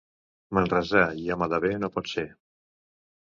Manresà i home de bé no pot ser.